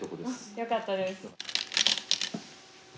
よかったです。